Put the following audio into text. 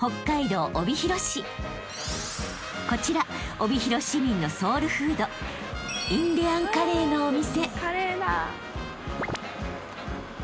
［こちら帯広市民のソウルフードインディアンカレーのお店］